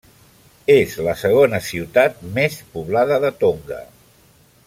És la segona ciutat més poblada de Tonga.